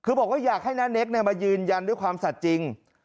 คือบอกว่าอยากให้น้าเนคมายืนยันด้วยความสัตว์จริง